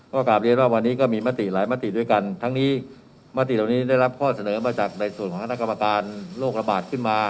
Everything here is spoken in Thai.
ก็กลับเรียนว่าวันนี้ก็มีมติหลายมติด้วยกันทั้งนี้มติเหล่านี้ได้รับข้อเสนอมาจากในส่วนของคณะกรรมการโรคระบาดขึ้นมา